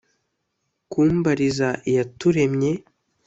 Kumbariza iyaturemye